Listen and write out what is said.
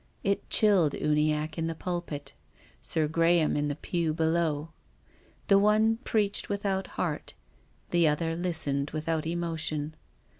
It chilled Uniacke in the pulpit, Sir Graham in the pew below. The one preached without heart. The other listened without emotion.